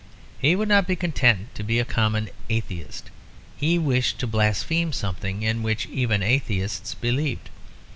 He would not be content to be a common atheist; he wished to blaspheme something in which even atheists believed.